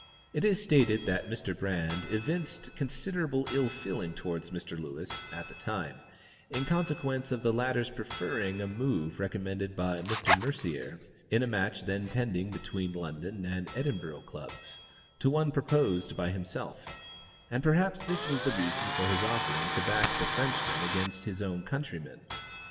It is stated that Mr. Brand evinced considerable ill feeling towards Mr. Lewis, at the time, in consequence of the latter's preferring a move recommended by Mr. Mercier in the match then pending between the London and Edinburgh clubs, to one proposed by himself, and perhaps this was the reason for his offering to back the Frenchman against his own countryman.